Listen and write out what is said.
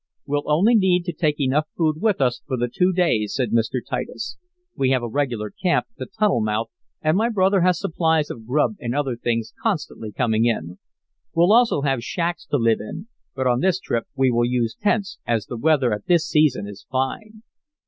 "We'll only need to take enough food with us for the two days," said Mr. Titus. "We have a regular camp at the tunnel mouth, and my brother has supplies of grub and other things constantly coming in. We also have shacks to live in; but on this trip we will use tents, as the weather at this season is fine."